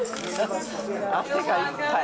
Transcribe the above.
汗がいっぱい。